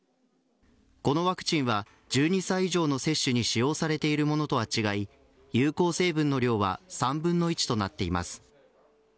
このワクチンは１２歳以上の接種に使用されているものとは違い有効成分の量は３分の１となっています。